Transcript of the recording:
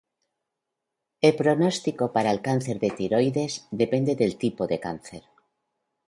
El pronóstico para el cáncer de tiroides depende del tipo de cáncer.